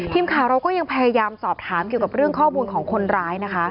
ทีมข่าวเราก็ยังพยายามสอบถามเกี่ยวกับเรื่องข้อมูลของคนร้ายนะคะ